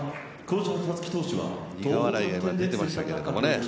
苦笑いが今出ていましたけどね。